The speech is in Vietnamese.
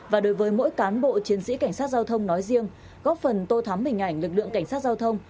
và đối với mỗi cán bộ chiến sĩ cảnh sát giao thông nói riêng góp phần tô thắm hình ảnh lực lượng cảnh sát giao thông